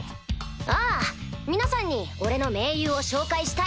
ああ皆さんに俺の盟友を紹介したい。